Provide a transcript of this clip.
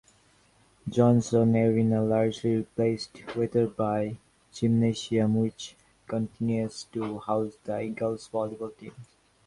Johnson Arena largely replaced Wetherby Gymnasium which continues to house the Eagles volleyball team.